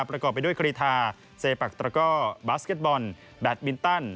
ประกอบไปด้วยกรีธาเซปักตระก้อบาสเก็ตบอลแบตมินตัน